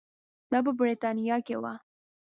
دا په برېټانیا کې وو.